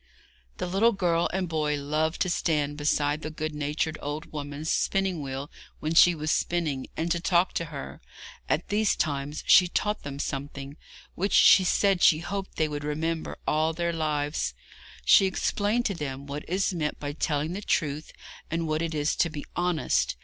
The little boy and girl loved to stand beside the good natured old woman's spinning wheel when she was spinning, and to talk to her. At these times she taught them something, which she said she hoped they would remember all their lives. She explained to them what is meant by telling the truth, and what it is to be honest.